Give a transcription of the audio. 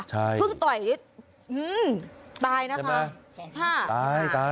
ตายนะคะ